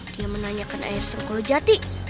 dia menanyakan air surkolo jati